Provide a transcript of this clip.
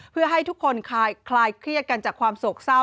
เพื่อให้ทุกคนคลายเครียดกันจากความโศกเศร้า